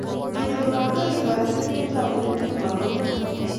Ngonyor kandoik toretet kotounee bikwak korok